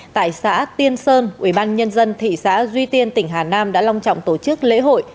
tại xã tiên sơn ubnd thị xã duy tiên tỉnh hà nam đã long trọng tổ chức lễ hội